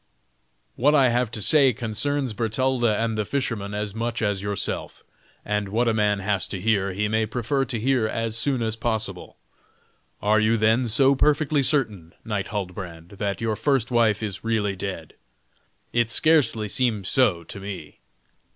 What I have to say concerns Bertalda and the fisherman as much as yourself, and what a man has to hear, he may prefer to hear as soon as possible. Are you then so perfectly certain, Knight Huldbrand, that your first wife is really dead? It scarcely seems so to me.